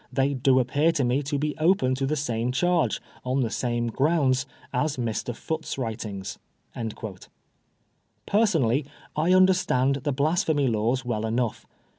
They do appear to me to be open to the same charge, on the same grounds, as Mr. Foote's writings." Personally I understand the Blasphemy Laws well enough.